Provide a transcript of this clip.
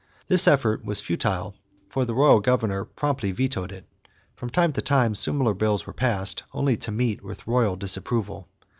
This effort was futile, for the royal governor promptly vetoed it. From time to time similar bills were passed, only to meet with royal disapproval.